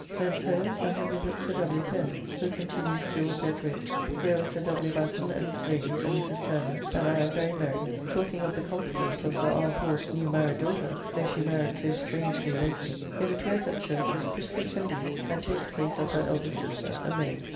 Thence home, and to visit Sir W. Pen, who continues still bed rid. Here was Sir W. Batten and his Lady, and Mrs. Turner, and I very merry, talking of the confidence of Sir R. Ford's new married daughter, though she married so strangely lately, yet appears at church as brisk as can be, and takes place of her elder sister, a maid.